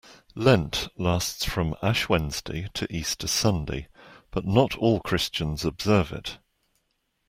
Lent lasts from Ash Wednesday to Easter Sunday, but not all Christians observe it.